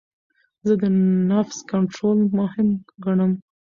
زه د نفس کنټرول مهم ګڼم.